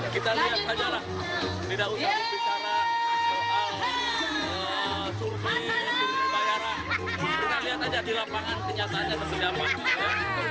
kita lihat aja di lapangan kenyataannya sesedapnya